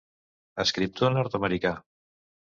Escriptor nord-americà.